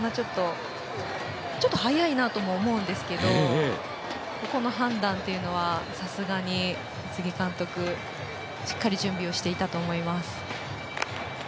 ちょっと早いなとも思うんですけどここの判断というのは宇津木監督、しっかり準備していたと思います。